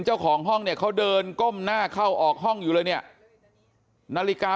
เจ้าของห้องเนี่ยเขาเดินก้มหน้าเข้าออกห้องอยู่เลยเนี่ยนาฬิกา